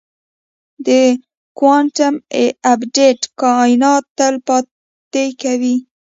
د کوانټم ابدیت کائنات تل پاتې کوي.